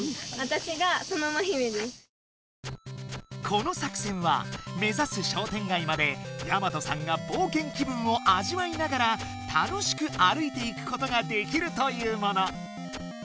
この作戦は目指す商店街までやまとさんが冒険気分を味わいながら楽しく歩いていくことができるというもの。